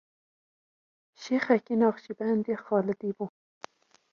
Şêxekî Neqşîbendî Xalidî bû.